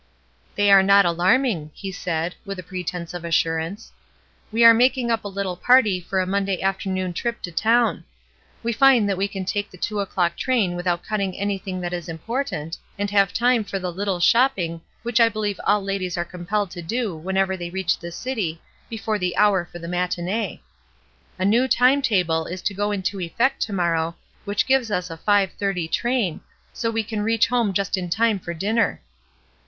'*They are not alarming," he said, with a pretence of reassurance. "We are making up a Uttle party for a Monday afternoon trip to town. We find that we can take the two o'clock train without cutting anything that is impor tant, and have time for the * Uttle shopping' which I beUeve all ladies are compelled to do whenever they reach the city before the hour for the matinee. A new time table is to go into effect to morrow which gives us a five thirty train, so we can reach home just in time for dinner.